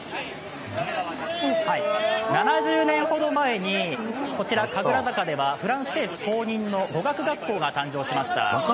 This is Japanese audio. ７０年ほど前に、こちら神楽坂ではフランス政府公認の語学学校が誕生しました。